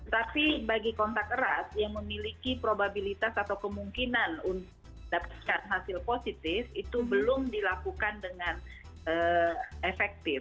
tapi bagi kontak erat yang memiliki probabilitas atau kemungkinan dapatkan hasil positif itu belum dilakukan dengan efektif